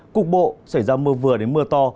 cục bộ xảy ra mưa vừa đến mưa to